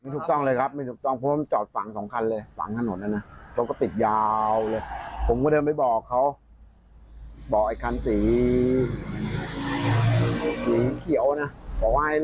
ใช่ตอนทุ่มเจ็ดขน๑แล้วก็๒ทุ่ม๒ทุ่ม๔๐ขน๑แล้วก็เที่ยงคืนกว่าขน๑